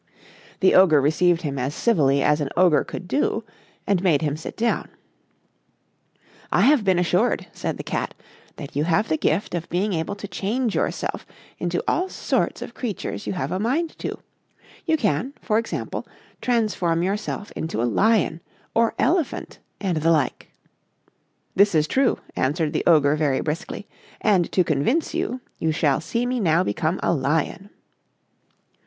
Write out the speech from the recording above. The Ogre received him as civilly as an Ogre could do, and made him sit down. "I have been assured," said the Cat, "that you have the gift of being able to change yourself into all sorts of creatures you have a mind to; you can, for example, transform yourself into a lion, or elephant, and the like." "This is true," answered the Ogre very briskly, "and to convince you, you shall see me now become a lion."